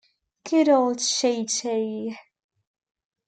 Good old Chee-Chee!